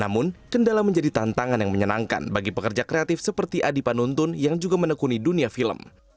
namun kendala menjadi tantangan yang menyenangkan bagi pekerja kreatif seperti adi panuntun yang juga menekuni dunia film